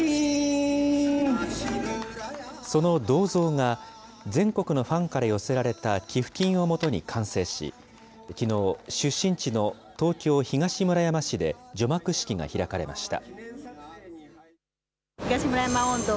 その銅像が、全国のファンから寄せられた寄付金を基に完成し、きのう、出身地の東京・東村山市で除幕式が開かれました。